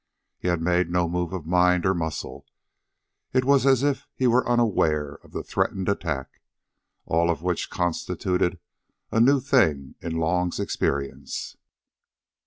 He had made no move of mind or muscle. It was as if he were unaware of the threatened attack. All of which constituted a new thing in Long's experience.